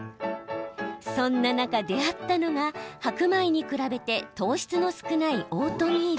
そんな中、出会ったのが白米に比べて糖質の少ないオートミール。